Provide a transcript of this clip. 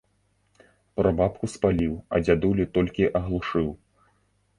Прабабку спаліў, а дзядулю толькі аглушыў.